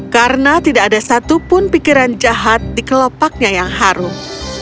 karena tidak ada satupun pikiran jahat di kelopaknya yang harum